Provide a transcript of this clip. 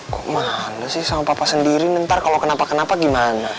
kok manda sih sama papa sendiri nanti kalau kenapa kenapa gimana